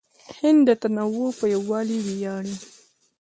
هند د تنوع په یووالي ویاړي.